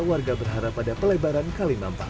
warga berharap ada pelebaran kali mampang